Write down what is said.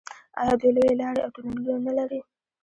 آیا دوی لویې لارې او تونلونه نلري؟